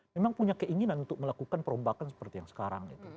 memang punya keinginan untuk melakukan perombakan seperti yang sekarang